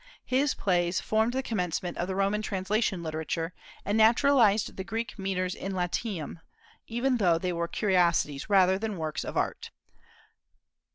His plays formed the commencement of Roman translation literature, and naturalized the Greek metres in Latium, even though they were curiosities rather than works of art.